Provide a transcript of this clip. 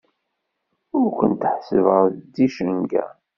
Ur kent-ḥessbeɣ d ticenga.